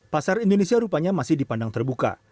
pasar indonesia rupanya masih dipandang terbuka